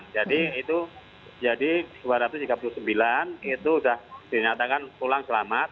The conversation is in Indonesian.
jadi itu jadi dua ratus tiga puluh sembilan itu sudah dinyatakan pulang selamat